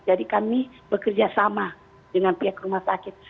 jadi kami bekerja sama dengan pihak rumah sakit